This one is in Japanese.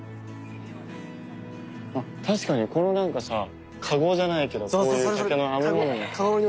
あっ確かにこのなんかさカゴじゃないけどこういう竹の編み物の。